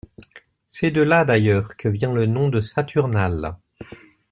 C’est de là d’ailleurs que vient le nom de saturnales.